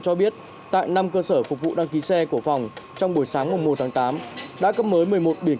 cho biết tại năm cơ sở phục vụ đăng ký xe của phòng trong buổi sáng một tháng tám đã cấp mới một mươi một bịt